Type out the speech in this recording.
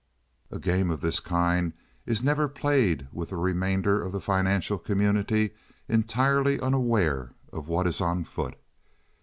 A game of this kind is never played with the remainder of the financial community entirely unaware of what is on foot.